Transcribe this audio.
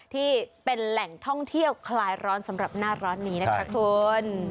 ที่เป็นแหล่งท่องเที่ยวคลายร้อนสำหรับหน้าร้อนนี้นะคะคุณ